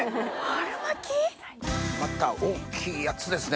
また大っきいやつですね